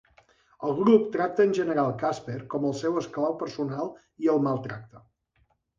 El grup tracta en general Casper com el seu esclau personal i el maltracta.